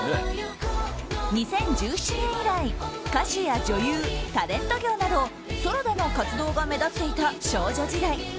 ２０１７年以来歌手や女優、タレント業などソロでの活動が目立っていた少女時代。